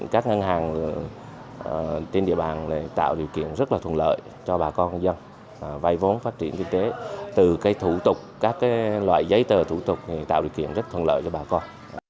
các ngân hàng trên địa bàn tạo điều kiện rất là thuận lợi cho bà con dân vay vốn phát triển kinh tế từ thủ tục các loại giấy tờ thủ tục tạo điều kiện rất thuận lợi cho bà con